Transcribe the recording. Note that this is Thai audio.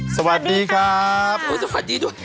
สวัสดีครับสวัสดีด้วย